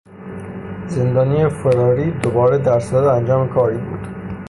زندانی فراری دوباره درصدد انجام کاریبود.